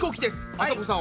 あさこさん